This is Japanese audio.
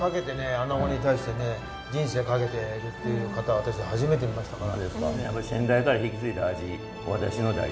アナゴに対してね人生を懸けてるっていう方は私は初めて見ましたから。